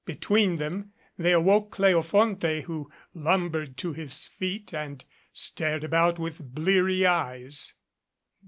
Between them they awoke Cleofonte, who lumbered to his feet and stared about with bleary eyes.